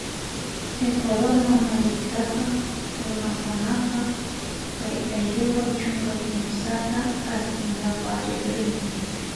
Ecuador mamallakta runakunaka kay Ayriwa chunka kimsata aspinkapak rikrin